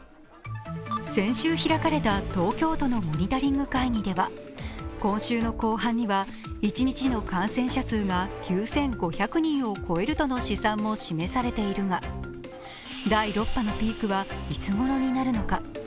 先週、開かれた東京都のモニタリング会議では今週の後半には一日の感染者数が９５００人を超えるとの試算も示されているが第６波のピークはいつごろになるのか。